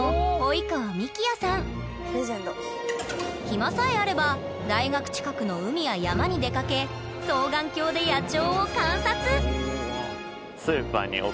暇さえあれば大学近くの海や山に出かけ双眼鏡で野鳥を観察！